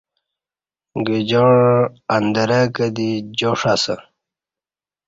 گجاعں اندرہ کہ دی جاݜ اسہ